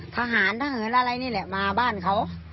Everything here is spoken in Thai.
ทหารทหารอะไรนี่แหละมาบ้านเขา